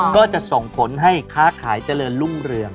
ก็จะส่งผลให้ค้าขายเจริญรุ่งเรือง